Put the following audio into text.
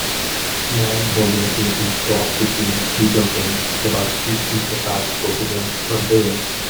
Man holding a baby propped between two buildings about two feet apart photographed from below.